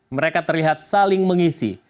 mereka terlihat saling mengisi